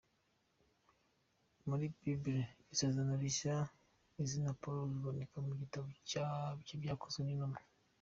Muri Bibiliya, mu Isezerano Rishya izina Paul riboneka mu gitabo cy’ibyakozwe n’intumwa.